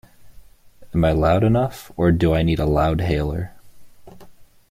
Am I loud enough, or do I need a loudhailer?